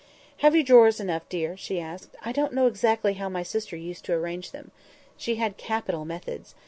"Have you drawers enough, dear?" asked she. "I don't know exactly how my sister used to arrange them. She had capital methods.